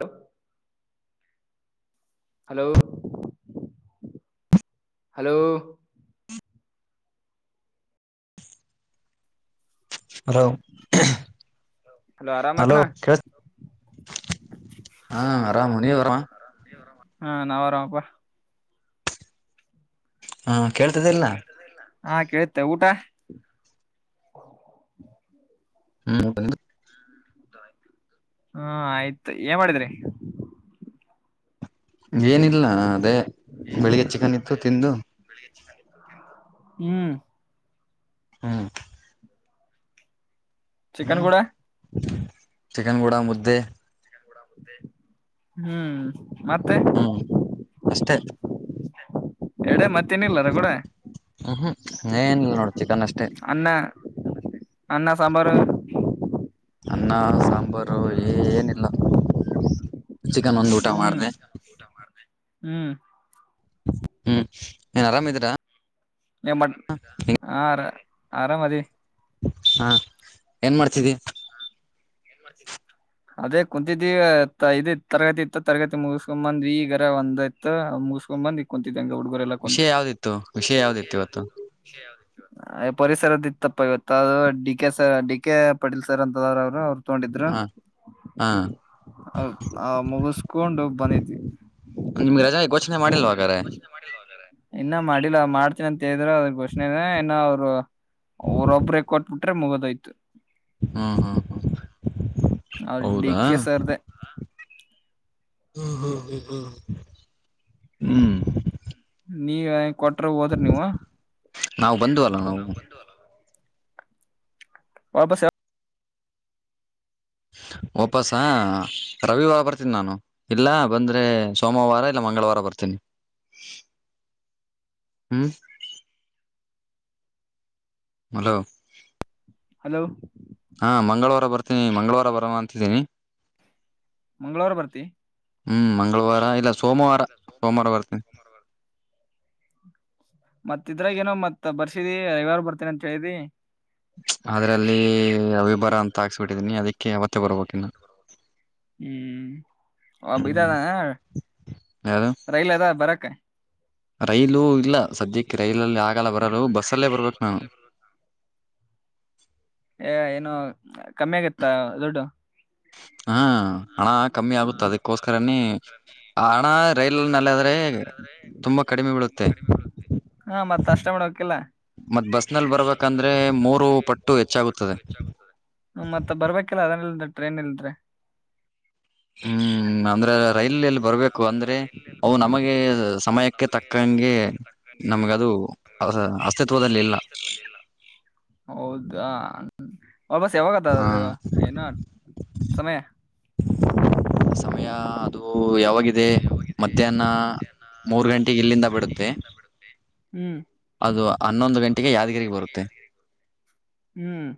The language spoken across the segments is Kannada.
ಹ [inaudible] ಹಲೋ ಹಲೋ ಹಲೋ ಹಲೋ ಕೆಳಸ ಆರಾಮ ನೀವ್ ಆರಾಮ ಹಾ ನಾವ್ ಆರಾಮಪ್ಪಾ ಹಾ ಕೇಳ್ತದ ಇಲ್ಲ ಹಾ ಕೇಳ್ತೇ ಊಟ ಹ್ಮ್ ಊಟ ಹಾ ಆಯ್ತು ಏನ್ ಮಾಡಿದ್ರಿ ಏನಿಲ್ಲ ಅದೇ ಬೆಳಿಗ್ಗೆ ಚಿಕನ್ ಇತ್ತು ತಿಂದು ಹ್ಮ್ ಹ್ಮ್ ಚಿಕನ್ ಹ್ಮ್ ಕೂಡ ಚಿಕನ್ ಕೂಡ ಮುದ್ದೆ ಹ್ಮ್ ಮತ್ತೆ ಹ್ಮ್ ಅಷ್ಟೇ [inaudible] ಎಡೆ ಮತ್ತೇನ ಇಲ್ಲ ಕೂಡ ಹ್ಮ್ ಹ್ಮ್ ಏನಿಲ್ಲ ನೋಡ ಚಿಕನ್ ಅಷ್ಟೇ ಅನ್ನ ಅನ್ನ ಸಾಂಬಾರು ಅನ್ನ ಸಾಂಬಾರು ಏನಿಲ್ಲ ಚಿಕನ್ ಒಂದು ಊಟ ಹ್ಮ್ ಮಾಡಿದೆ ಹ್ಮ್ ಹ್ಮ್ ನೀಏನ್ ಆರಾಮಿದೀರಾ ಮ ಏನ ಮಾಡ್ ಹಾರ ಆರಾಮ ಅದವಿ ಹಾ ಏನ್ ಮಾಡ್ತಿದ್ದಿ ಅದೇ ಕುಂತಿದ್ದಿ ಇದ ತರಗತಿ ಇತ್ತು ತರಗತಿ ಮುಗಸ್ಕೊಂಬಂದ್ ಈಗರ ಒಂದ ಒಂದ ಆಯ್ತ ಮುಗಸ್ಕೊಂಡ್ ಬಂದಿಕುಂತಿದ್ದ ಯಂಗ್ ಹುಡುಗರೆ ಎಲ್ಲ ಕೊಂತ ವಿಷಯ ಯಾವ್ದಿತ್ತು ವಿಷಯ ಯಾವ್ದಿತ್ತು ಇವತ್ತು ಅ ಪರಿಸರದ ಇತ್ತಪ್ಪ ಇವತ್ ಅದು D K sir D K Patil sir ಅಂತದ್ರ ಅವರು ಅವ್ರು ತೊಂಡಿದ್ರ ಹಾ ಹಾ ಆ ಮುಗಿಸಕೊಂಡು ಬಂದಿದವಿ ನಿಮ್ಗೆ ರಜ ಘೋಷಣೆ ಮಾಡಲ್ವ ಹಾಗಾದ್ರ ಮಾಡಿಲ್ವ ಹಾಗಾದ್ರೆ ಇನ್ನ ಮಾಡಿಲ್ಲ ಮಾಡ್ತನ ಅಂತ ಹೇಳಿದ್ರ ಅವರ ಘೋಷಣೆ ಇನ್ನ ಅವ್ರು ಅವರ ಒಬ್ಬರೇ ಕೊಟ್ಬಿಟ್ರೆ ಮುಗದಾಯ್ತು ಹಾ ಹಾ ಅವರ್ ಡಿ ಕೆ ಸರ್ ದೆ ಹ್ಮ್ ಹ್ಮ್ ಹ್ಮ್ ಹ್ಮ್ ಹ್ಮ್ ನೀವ ಕೊಟ್ರ ಹೋದ್ರ ನೀವು ನಾವು ಬಂದುವಲ್ಲ ನಾವು ವಾಪಾಸ್ ಯಾವ್ ಹ ಒಪ್ಪಸ ರವಿವಾರ ಬರ್ತೀನಿ ನಾನು ಇಲ್ಲ ಬಂದ್ರೆ ಸೋಮವಾರ ಇಲ್ಲ ಮಂಗಳವಾರ ಬರ್ತೀನಿ ಹ್ಮ್ [inaudible] ಹಲೋ ಹಲೋ ಹಾ ಮಂಗಳವಾರ ಬರ್ತೀನಿ ಮಂಗಳವಾರ ಬರ ಅಂತಿದ್ದೀನಿ ಮಂಗಳವಾರ ಬರ್ತಿ ಹ್ಮ್ ಮಂಗಳವಾರ ಇಲ್ಲ ಸೋಮವಾರ ಸೋಮವಾರ ಬರ್ತೀನಿ ಮತ್ ಇದ್ರಾಗ ಏನೋ ಮತ್ ಬರ್ಸಿದಿ ಯಾರು ಬರ್ತೀನ ಅಂತ ಹೇಳಿದಿ ಅದ್ರಲ್ಲಿ ಅದ್ರಲ್ಲಿ ಅವಿಭರ ಅಂತ ಹಾಕ್ಸ್ಬಿಟ್ಟಿದೀನಿ ಅದಕ್ಕೆ ಅವತ್ತೆ ಬರ್ಬೇಕ ಇನ್ನು ಹ್ಮ್ ಒಬ ಇದದ ಯಾವ್ದು ರೈಲ್ ಅದ ಬರಕ್ಕೆ ರೈಲು ಇಲ್ಲ ಸದ್ಯಕ್ಕೆ ರೈಲಲ್ಲಿ ಆಗಲ್ಲ ಇಲ್ಲ ಬರಲು ಆಗಲ್ಲ ಬಸ್ಸ ಅಲ್ಲೇ ಬರ್ಬೇಕ ಬಸ್ಸಲ್ಲೇ ನಾನು ಬರ್ [unintelligible] ಏನು ಕಮ್ಮಿ ಆಗತ್ತಾ ದೊಡ್ಡು ಹಾ ಹಣ ಕಮ್ಮಿ ಆಗುತ್ತೆ ಕಮ್ಮಿ ಅದಕ್ಕೋಸ್ಕರನೇ ಆ ನ ರೈಲ ಹಣ ನಲ್ಲಾದ್ರೆ ರೈಲ್ ನಲ್ಲಿ ಆದ್ರೆ ತುಂಬಾ ಕಡಿಮೆ ಬೀಳುತ್ತೆ [inaudible] ಹಾ ಮತ್ ಅಷ್ಟ ಮಾಡ್ಬೇಕಿಲ್ಲ ಮತ್ತತ್ ಬಸ್ ನಲ್ಲಿ ಬರ್ಬೇಕಂದ್ರೆ ಮೂರು ಪಟ್ಟು ಹೆಚ್ಚಾಗುತ್ತದೆ ಹ ಮತ್ತ ಬರ್ಬೇಕಿಲ್ಲ ಅದನ್ಲ್ದ ಟ್ರೈನ್ ಇಲ್ದ್ರೆ ಹ್ಮ್ ಅಂದ್ರೆ ರೈಲಲ್ಲಿ ಬರಬೇಕು ಅಂದ್ರೆ ರೈಲಲ್ಲಿ ಅವು ಬರ್ಬೇಕು ನಮಗೆ ಅಂದ್ರೆ ಸಮಯಕ್ಕೆ ತಕ್ಕಂಗೆ ನಮ್ಗದು ಸ್ ತಲ್ಲ ಹೌದಾ [inaudible] ಹ್ಮ ಬಸ್ ಯಾವಾಗತ್ತ ಹ ಏನ ಸಮಯ [unintelligible] ಸಮಯ ಅದು ಯಾವ ಮಧ್ಯಾಹ್ನ ಮೂರ್ ಗಂಟೆಗೆ ಇಲ್ಲಿಂದ ಬಿಡುತ್ತೆ ಹ್ಮ್ ಅದು ಹನ್ನೊಂದು ಗಂಟೆ ಹನ್ನೊಂದು ಗಂಟೆಗೆ ಯಾರಗಿ ಹ್ಮ್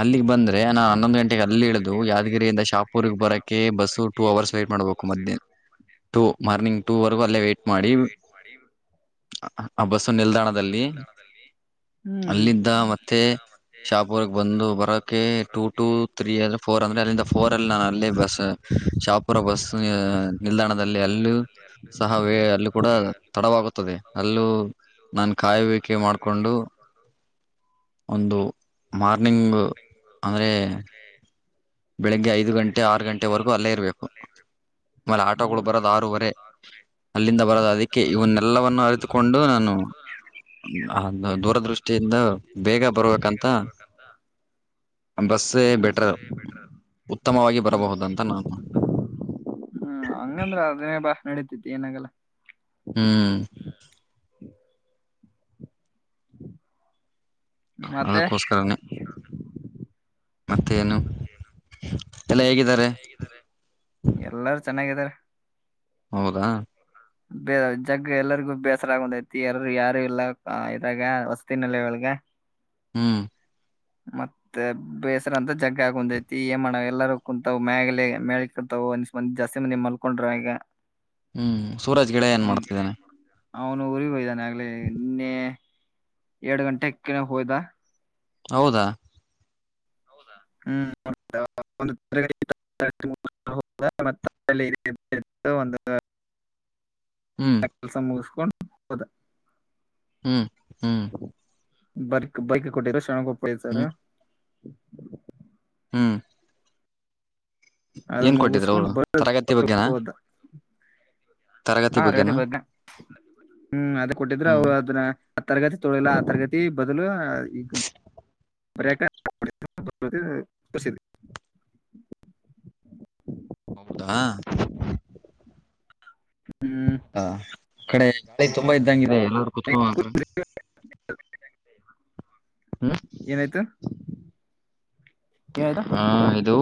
ಅಲ್ಲಿಗೆ ಬಂದೆ ಅೇ ನಾ [unintelligible] ಹನ್ನೊಂದು ಗಂಟೆಗೆ ಅಲ್ಲಿ ಇಳಿದು ಗಂಟೆಗೆ ಅಲ್ಲಿ ಇಳಿದು ಯಾದಗಿರಿಯಂದ ಶಾಪುರ್ಗ್ ಯಾದಗಿರಿಯಿಂದ ಶಾಪುರಕ್ಕೆ ಬರೋಕ್ಕೆ bus two bus hours wait ಮಾಡ್ಬೇಕು ಮಧ್ಯಾಹ್ ಟೂ ಮಾರ್ನಿಂಗ್ ಟೂ ವರೆಗೂ ಅಲ್ಲೇ ವೇಟ್ ಮಾಡಿ ಅಲ್ಲೇ ವೇಟ್ ಮಾಡಿ ಆ ಬಸ್ಸು ನಿಲ್ದಾಣದಲ್ಲಿ ಹ್ಮ್ ಅಲ್ಲಿದ್ದ ಮತ್ತೆ ಶಾಪುರಕ್ಕೆ ಬಂದು ಬರೋಕೆ ಟೂ ಟೂ ತ್ರೀ ಅಂದ್ರೆ ಫೋರ್ ಅಂದ್ರೆ ಅಲ್ಲಿಂದ ಫೋರ್ ಅಲ್ಲಿ ನಾನು ಅಲ್ಲೇ ಬಸ್ ಶಾಪುರ ಬಸ್ ನಿಲ್ದಾಣದಲ್ಲಿ ಅಲ್ಲೂ ಸಹ ವೇ ಅಲ್ಲೂ ಕೂಡ ತಡವಾಗುತ್ತದೆ ಅಲ್ಲೂ ನಾನು ಕಾಯುವಿಕೆ ಮಾಡ್ಕೊಂಡು ಒಂದು ಮಾರ್ನಿಂಗ್ ಅಂದ್ರೆ ಬೆಳಿಗ್ಗೆ ಐದು ಗಂಟೆ ಆರು ಗಂಟೆವರೆಗೂ ಅಲ್ಲೇ ಇರಬೇಕು ಆಮೇಲೆ ಆಟೋಗಳು ಹೌದು ಬರೋದ ಆರೂವರೆ ಅಲ್ಲಿಂದ ಬರದ ಅದಕ್ಕೆ ಇವನ್ನೆಲ್ಲವನ್ನು ಅರಿತುಕೊಂಡು ನಾನು ದ ದೃಷ್ಟಿಯಿಂದ ಬೇಗ ಬರ್ಬೇಕಂತ ಬಸ್ಸೇ ಬೆಟರ್ ಉತ್ತಮವಾಗಿ ಉತ್ತಮವಾಗಿ ಬರಬಹುದಂತ ನಾನು ಬರಬಹುದು ಅಂತ ಹ್ಮ್ ಹಂಗಂದ್ರ ಅದನ್ನೇ ಬಾ ನಡೀತತಿ ಏನಾಗಲ್ಲ [inaudible] ಹ್ಮ್ ಹ್ಮ [unintelligible] ಅದಕ್ಕೋಸ್ಕರನೇ ಮತ್ತೇನು ಎಲ್ಲ ಹೇಗಿದ್ದಾರೆ [inaudible] ಎಲ್ಲಾರು ಚೆನ್ನಾಗಿದಾರ ಹೌದಾ ಬೇ ಜಗ್ ಎಲ್ಲರಿಗೂ ಬೇಸರ ಆಗ ಒಂದ್ಐತಿ ಎಾರ ಯಾರು ಇಲ್ಲ ಇದಾಗ ವಸತಿನಲ್ಲಿ ಒಳಗ ಹ ಹ್ಮ್ ಮತ್ತೆ ಬೇಸರ ಅಂತ ಜಗ್ಗ ಕುಂತೈತಿ ಏ್ ಮಾಡ ಎಲ್ಲಾರೂ ಕುೂಂತವ್ ಮ್ಯಲೆ ಮೇ ಕುಂತಾವ ಒಂದ ಮಂದ್ ಜಾಸ್ತಿ ಮಂದಿ್ ಮಲ್ಕೊಂಡ್ರ ಈಗ [unintelligible] ಹ್ಮ್ ಸೂರಜ್ ಗೆಳೆಯ ಏನ್ ಮಾಡ್ತಿದ್ದಾನೆ ಅವನು ಊರಿ ಹೋಯ್ದಾನೆ ಆಗ್ಲ ನಿನ್ನೆ ಎರಡು ಗಂಟೆಕ್ಕೆ ಹೋಗಿದ್ದ ಹೌದಾ ಹ್ಮ್ ಮ ಒಂದು ಹ್ಮ್ ಎ ಕೆಲಸ ಮುಸ್ಕೊಂಡು ಹದ ಹ್ಮ್ ಹ್ಮ್ ಬರ್ಕ್ ಬೈಕ್ ಕೊಟ್ಟಿರ ಶಣಗಪ್ಪಳ ಸಾರ ಹ್ಮ್ ಹ್ಮ್ ಅದ ಏನ್ ಕೊಟ್ಟಿದ್ರು ಮುಗಿಸಕೊಂಡು ಅವರು ತರಗತಿ ಬರ್ ಬಗ್ಗೆನಾ ಹೋದ ತರಗತಿ ಹಾ ಬಗ್ಗೆನಾ ಬಗ್ಗೆ ಹ್ಮ್ ಅದ ಕೊಟ್ಟಿದ್ರೆ ಹ್ಮ್ ಅವರು ಅದನ್ನ ತರಗತಿ ತೊಳಿಲ್ಲ ಆ ತರಗತಿ ಬದಲು ಈಗ ಬಸ ಹೌದಾ ಹ್ಮ್ ಹ ಕಡೆ ತುಂಬಾ ಇದ್ದಂಗಿದೆ ಎಲ್ಲೂ ಕುೂತ್ಕೊ ಮಾತ್ರ ಹ್ಮ್ ಏನಐ್ತು ಹ ಇದು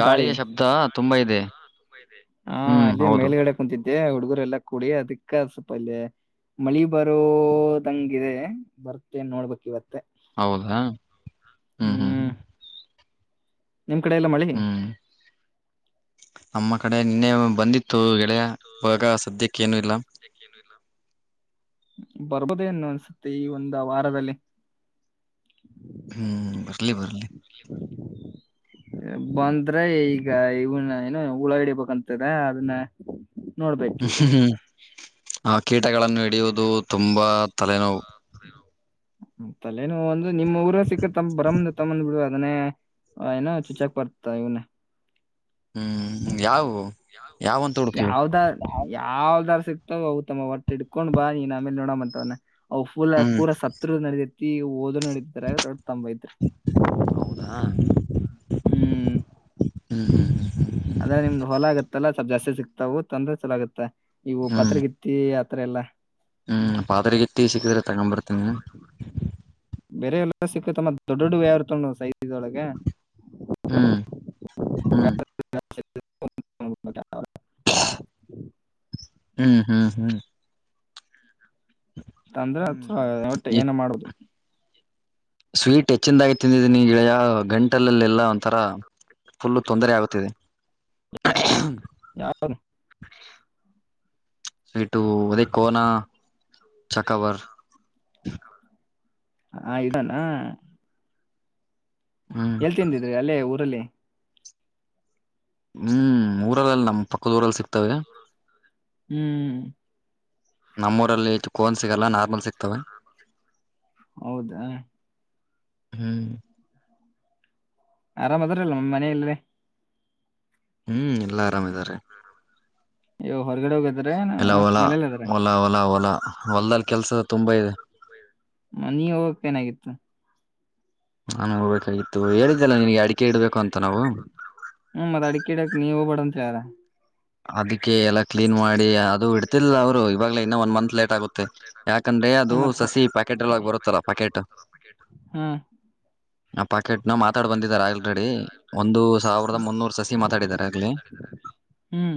ಗಾಳಿಯ ಶಬ್ದ ತುಂಬಾ ಇದೆ ತುಂಬ ಇದೆ ಹಾ ಹ್ಮ್ ಅಲ್ಲಿ ಹೌದು ಮೇಲ್ಗಡೆ ಕುೂಂತಿದ್ದೆ ಹುಡುಗರೆ ಎಲ್ಲಾ ಕುೂಡಿ ಅದಕ್ಕ ಸ್ವಲ್ಪ ಅಲ್ಲೇ ಮಳಿ ಬರೋದಂಗ ಇಿದೆ ಬರ್ತೇ ನೋಡ್ಬೇಕಕ್ ಇವತ್ತು ಹೌದಾ ಹ್ಮ್ ಹ್ಮ್ ಹ್ಮ್ ನಿಮ್ ಕಡೆ ಎಲ್ಲ ಮಳಿ ಹ್ಮ್ ನಮ್ಮ ಕಡೆ ನಿನ್ನೆ ಮ್ಮ ಕಡೆ ಬಂದಿತ್ತು ಇನ್ನೆ ಗೆಳೆಯ ಬಂದಿತ್ತು ಎಳ ಇವಾಗ ಸದ್ಯಕ್ಕೆ ಏನು ಇಾಗ ಇಲ್ಲ ಸದ್ಯಕ್ಕೆ ಏನು ಇಲ್ಲ ಬರ್ಬೋದೇ ಅನ್ನು ಅನ್ಸುತ್ತೆ ಈ ಒಂದು ವಾರದಲ್ಲಿ ಹ್ಮ್ ಬರ್ಲಿ ಬರ್ಲಿ ಬಂದ್ರ ಈಗ ಇವನ ಏನು ಹುಳ ಹಡಿಬೇಕಂತದ ಅದನ್ನ ನೋಡ್ಬೇಕ ಈಗ ಹ್ಮ್ ಆ ಕೀಟಗಳನ್ನು ಹಿಡಿಯುವುದು ತುಂಬಾ ತಲೆನೋವು ತಲೆೇನು ಒಂದು ನಿಮ್ಮ್ ಊರ ಸಿಕ್ಕ ತಮ್ಮ ಬ್ರಮ ತಮ್ಮಂದ ಬಿಡುುವ ಅದನ್ನೇ ಹಾಯ್ನ ಚೂಚಕ್ ಪಡ್ತಾ ಇವ್ ನ ಹ್ಮ್ ಯಾವ ಯಾವ್ದಾರ್ ಯಾವ್ದಾರ್ ಸಿಕ್ ಅವು ತಮ್ಮ ಒಟ್ಟ ಹಿಡ್ಕೊಂಡ್ ಬಾ ನೀನ್ ಆಮೇಲೆ ನೋಡ ಅಂತವ್ ಅವು ಫಲ ಹ್ಮ್ ಪೂರಾ ಸತ್ ನಡದ ಒ ನೋಡಿದ್ದಾರೆ ದೊಡ ತಂಬಐತ್ ಹೌದಾ ಹ್ಮ್ ಹ್ಮ ಹಾ ಹ ಅಂದ್ರೆ ನಿಮ್ದ ಹೊಲ ಆಗತ್ತಲ್ಲ ಸ್ವಲ್ಪ್ ಜಾಸ್ತಿ ಸಿಕ್ತವು ತೊಂದ್ರೆ ಚಲ ಆಗತ್ತೆ ಇವು ಹ್ಮ್ ಪತ್ರಗಿತ್ತಿ ಅತ್ರಲ್ಲ ಹ್ಮ್ ಪಾತ್ರೆಗೆ ಎತ್ತಿ ಸಿಕ್ಕಿದ್ರ ತಗೊಂಬರ್ತನಿ ಬೇರೆ ಎಲ್ಲ ಸಿಕ್ಕ ತಮ್ಮ ದೊಡ್ಡ ದೊಡ್ಡ ವ್ಯವಾರ ತೊಂಡ ಸೈದಿದೊಳಗೆ ಹ್ಮ್ ಹ್ಮ್ ಒಳಗೆ ಹ್ಮ್ ಹಾ್ ಹ್ಮ್ ತಂದ್ರೆ ಹ್ಮ್ ಅ ಹೊಟ್ಟೆ ಏನ ಮಾಡುದು ಸ್ವೀಟ್ ಹೆಚ್ಚಂದ ಆಾಗಿ ಗೆಳೆಯ ಗಂಟಲ್ಲಲ್ಲಿ ಎಲ್ಲಾ ಒಂಥರ ಫುಲ್ ತೊಂದರೆ ಆಗುತ್ತಿದೆ ್ಮ ಹ ಸಟು ಅದೇ ಕೋನ ಚಕವರ್ ಹಾ ಇದಾನ ಹ್ಮ್ ಎಲ್ ತಿಂದಿದ್ರಿ ಅಲ್ಲೇ ಊರಲ್ಲಿ ಹ್ಮ್ ಊರಲ್ಲಲ್ಲಿ ನಮ್ಮ್ ಪಕ್ಕದ ಊರಲ್ಲಿ ಸಿಕ್ತವೆ ಹ್ಮ್ ನಮ್ಮ ಊರಲ್ಲಿ ಹೆು ಕೋನ್ ಸಿಗಲ್ಲ ನಾರ್ಮಲ್ ಸಿಗ್ತವೆ ಹೌದಾ ಹ್ಮ್ ಆರಾಮ್ ಅದ್ರಲ್ ನ್ ಮನ ಇಲ್ಲ ಹ್ಮ್ ಎಲ್ಲಾ ಆರಾಮಾರೆ ಅಯ ಹೊರಗಡೆ ಹೋಗಿದ್ರ ಮನೇಲ್ಲ ಇದದ್ರ ಹೊಲ್ದಲ್ ಕೆಲ್ಸದ ತುಂಬಾ ಇದೆ ಹ ನೀ ಹೋಗಕ್ ೇನಾಗಿತ್ತು ನಾನು ಹೋಗ್ಬೇಕಾಗಿತ್ತು ಹೇಳಿದ್ದೆಲ್ಲ ನಿಗೆ ಅಡ ಹ್ಮ ಮತ್ ಅಡಿಕೆ ಇಡಕ್ ನೀವ ಹೋಗಬಡತ್ ಯಾರ ಅದ ಎಲ್ಲಾ ಕ್ಲೀನ್ ಮಾಡಿ ಅದು ಇಡ್ತಿಿಲ್ಲ ಅವರು ಇವಾಗ ಇನ್ನ ಒ ಮಂತ್ ಲೇಟ್ ಆಗುತ್ತೆ ಯಾಕಂದ್ರೆ ಅದು ಹ್ಮ್ ಮತ್ ಸಸಿ ಪ್ಯಾಕೆಟ್ ಎಲ್ಲ ಬರುತ್ತಲ್ಲ ಪ್ಯಾಕೆಟ್ ಹ್ಮ್ ಆ ಪ್ಯಾಕೆಟ್ ಇ ನಾ ಮಾತಾಡ್ ಬಂದಿದಿದ್ದಾರೆ ಆಲ್ರೆಡಿ ಒಂದು ಸಾವಿರದ ಮುನ್ನೂರು ಸಸಿ ಮಾತಾಡಿದಿದ್ದಾರೆ ಆಗ್ಲಿ ಹ್ಮ್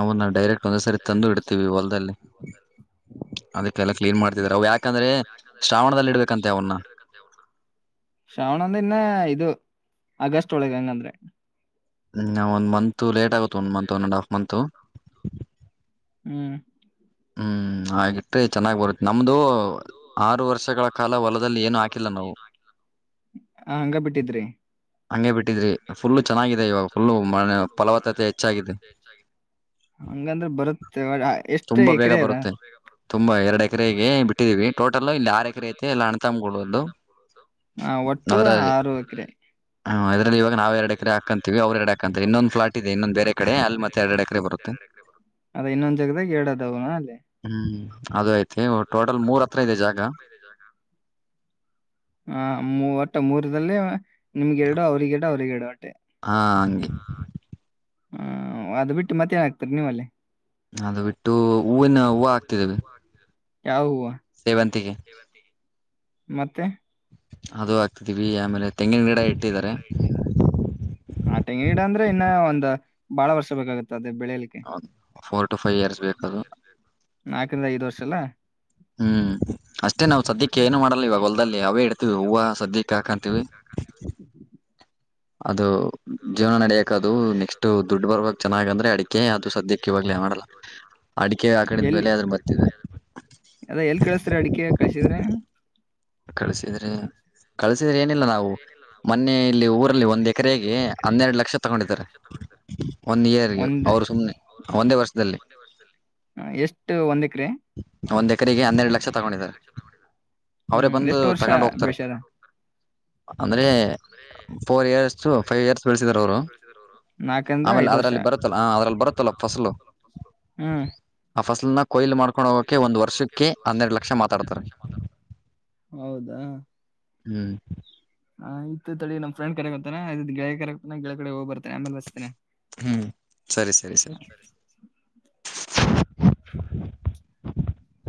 ಅವನ್ನಾ ಡೈರೆಕ್ಟ್ ಒಂದ್ಸರಿ ತಂದು ಇಡ್ತೀವಿ ಹೊಲ್ದಲ್ಲಿ ಅದಕ್ಕೆಲ್ಲ ಕ್ಲೀನ್ ಮಾಡ್ತಿದಿದ್ದಾರೆ ಅವವು ಯಾಕಂದ್ರೆ ಶ್ರಾವಣದಲ್ಲಿ ಇಡ್ಬೇಕಂತೆ ಅವನ್ನ ಶ್ರಾವಣ ಅಂದ್ರೆ ಇನ್ನ ಇದು ಆಗಸ್ಟ್ ಒಳಗ ಹಂಗಂದ್ರೆ ಹ್ಮ ಒಂದ ಮಂತತ್ ಲೇಟ್ ಆಗುತ್ತೆ ಒಂದ್ ಮತ್ ಒ ಅಂಡ್ ಹಫ್ ಮಂತತ್ ಹ್ಮ್ ಹ್ಮ್ ಹಾಗಗಿಟ್ರ ಚೆನ್ನಾಗಿ್ ಬರುತ್ತೆ ನಮ್ದು ಆರು ವರ್ಷಗಳ ಕಾಲ ಹೊಲದಲ್ಲಿ ಏನು ಹಾಕಿಲ್ಲ ನಾವು ಹ ಹಂಗ ಬಿಟ್ಟಿದ್ರಿ ಹಂಗೆ ಬಿಟ್ಟಿದ್ರಿ ಫುಲ್ಲು ಚೆನ್ನಾಗಿದೆ ಇವಾಗ ಫುಲ್ಲು ಮ ಫಲವತ್ತತೆ ಹೆಚ್ಚಾಗಿದೆ ಹಂಗಂದ್ರೆ ಬರುತ್ತೆ ಎಷ್ಟ ತುಂಬಾ ಬೇಗ ಬರುತ್ತೆ ತುಂಬಾ ಎರಡ್ ತುಂಬಾ ಎಕರೆಗೆ ಎರಡು ಬಿಟ್ಟಿದೀವಿ ಎಕರೆಗೆ ಟೋಟಲ್ ಇಲ್ಲಿ ಆರು ಎಕರೆ ಐತೆ ಎಲ್ಲ ಟ ಅಣ್ತಂಬ್ಗಳದ್ದು ಇ ಎ್ಡುದು ಆರು ವಕ್ಕ್ರ ಹ್ಮ ಇದ್ರಲ್ಲಿ ಇಾಗ ನಾವವು ಎರಡಕರೆ ಡೆ ಇಾದೆ ಬೇರೆ ಕಡೆ ಇೊಂದ ಅಲ್ಲಿ ಮತ್ತೆ ಎರಡ್ ಎಕರೆ ಬೇರೆಡೆತ್ತ ಬರುತ್ತೆ ಎರಡೆಡೆ ಬ ಇನ್ನೊಂದ ಜದ ಡದನ ಅೇ ಹ್ಮ್ ಅದು ಐತೆ ಟೋಟಲ್ ಅದು ಮೂರ್ ಹತ್ರ ಇದೆ ಟೋಟಲ್ ಜಾಗ ಮೂರ ಹತ್ರ ಇದೆ ಜಾಗ ಹ ಮೂ ಒಟ್ಟೆ ಮೂರದಲ್ಲಿ ನಿಮ್ಗೆ ಎರಡು ಅವ್ರಿಗೆ ಎರಡು ಅವ್ರಿಗೆ ಎರಡು ಅಟ್ಟೆ ಹಾ ಹಂಗಗೆ ಹ್ಮ ಅದು ಬಿಟ್ಟು ಮತ್ತೆ ಏನ್ ಆಕ್ತರಿ ನೀವಲ್ಲೇ ಅದು ಬಿಟ್ಟು ಹೂವಿನ ಹೂವು ಹಾಕ್ತಿದ್ದವಿ ಯಾವ ಹೂವು ಸೇವಂತಗೆ ಮತ್ತೆ ಅದು ಆಗ್ತಿದ್ದೀವಿ ಆಮೇಲೆ ತೆಂಗಿನ ಗಿಡ ಇಟ್ಟಿದ್ದಾರೆ ತೆಂಗಿಡ ಅಂದ್ರೆ ಇನ್ನ ಒಂದ್ ಬಾಳ ವರ್ಷ ಬೇಕಾಗುತ್ತೆ ಅದ ಬೆಳಲಿಕ್ಕೆ ಫೋರ್ ಟು ಫೈವ್ ಇಯರ್ಸ್ ಬೇಕದು ನಾಕರಿಂದ ಐದ್ ವರ್ಷ ಅಲ್ಲಾ ಹ್ಮ್ ಅಷ್ಟೇ ನಾವವು ಸದ್ಯಕ್ಕೆ ಏನು ಮಾಡಲ್ಲ ಇವಾಗ ಹೊಲ್ದಲ್ಲಿ ಅವೇ ಇಡ್ತೀವಿ ಹೂವು ಸದ್ಯಕ್ಕೆ ಹಾಕಂತೀವಿ ಅದು ಜೀವನ ನಡೆಯಕ್ ಅದು ನೆಕ್ಸ್ಟ್ ದುಡ್ಡು ಬರ್ಬಕ್ ಚೆನ್ನಾಗ ಅಂದ್ರೆ ಅಡಿಕೆ ಅದು ಸದ್ಯಕ್ಕೆ ಇವಾಗ್ಲೇ ಮಾಡಲ್ಲ ಅಡಿಕೆ ಆಾಕಡಿದ ಎಲ್ಲಿ ಮೇಲೆ ಅದನ್ನ ಬರ್ತಿದೆ ಅದ ಎಲ್ ಕೇಳಸ್ತ್ರ ಅಡಿಕೆ ಕಸಿದ್ರೆ ಕಳ್ಸಿದ್ರಿ ಕಲ್ಸ ಏನಿಲ್ಲ ನಾವು ಮೊನ್ನೆ ಇಲ್ಲಿ ಊರಲ್ಲಿ ಒಂದ್ ಎಕರೆಗೆ ಹನ್ನೆರಡು ಲಕ್ಷ ತಗೊಂಡಿದ್ದಾರೆ ಒಂದ್ ಇಯರ್ಗೆ ಒಂದ್ ಅವ್ರು ಸುಮ್ನೆ ಒಂದೇ ವರ್ಷದಲ್ಲಿ ಆ, ಎಷ್ಟು ಒಂದ್ ಎಕರೆ ಒಂದ್ ಎಕರೆಗೆ ಹನ್ನೆರಡು ಲಕ್ಷ ತಗೊಂಡಿದಿದ್ದಾರೆ ಅವರೇ ಹ್ಮ್ ಬಂದು ಎಷ್ಟು ವರ್ಷ ತಗೊಂಡು ಹೋಗ್ತಾರೆ ಬೆಳ್ಸ್ಯಾರ ಅಂದ್ರೆ ಫೋರ್ ಇಯರ್ಸ್ಸು ಫೈವ್ ಇಯರ್ಸ್ ಬೆಳೆಸಿದಾರ್ ಅವರು ನಾಲ್ಕರಿಂದ ಆಮೇಲೆ ಐದು ವರ್ಷ ಅದ್ರಲ್ಲಿ ಬರುತ್ತಲ್ಲ ಹ ಅದ್ರಲ್ಲಿ ಬರುತ್ತಲ್ಲ ಫಸಲು ಹ್ಮ್ ಆ ಫಸಲ್ನ ಕೊಯ್ಲು ಮಾಡ್ಕೊಂಡು ಹೋಗೋಕೆ ಒಂದ್ ವರ್ಷಕ್ಕೆ ಹನ್ನೆರಡು ಲಕ್ಷ ಮಾತಾಡ್ತಾರೆ ಹೌದಾ ಹ್ಮ್ ಹ್ ಇತ್ತುದಳಿ ನನ್ ಫ್ರಂಡ್ ಕರೆಗತಾನೆ [unintelligible] ಹೋಗ್ ಬರ್ತೇನೆ ಆಮೇಲ್ ಬಸ್ತೀನಿ ಹ್ಮ್ ಸರಿ ಸರಿ ಸರಿ [inaudible]